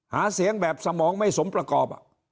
หาเสียงแบบสมองไม่สมประกอบ